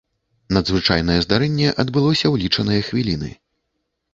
Надзвычайнае здарэнне адбылося ў лічаныя хвіліны.